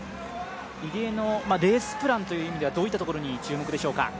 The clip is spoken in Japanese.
入江のレースプランという意味ではどういったところに注目でしょうか？